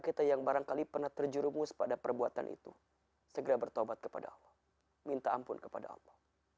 kita yang barangkali pernah terjurumus pada perbuatan itu segera bertobat kepada allah minta ampun kepada allah